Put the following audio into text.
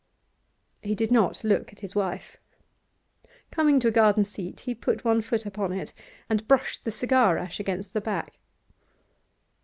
He did not look at his wife. Coming to a garden seat, he put up one foot upon it, and brushed the cigar ash against the back.